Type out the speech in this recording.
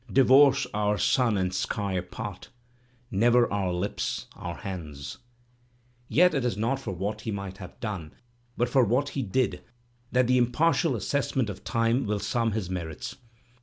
divorce our sun and sky apart. Never our lips, our hands. Yet it is not for what he might have done but for what he did that the impartial assessment of time will sum his merits.